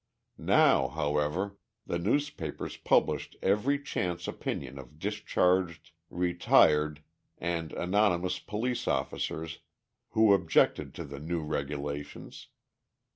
Now, however, the newspapers published every chance opinion of discharged, retired and anonymous police officers who objected to the new regulations.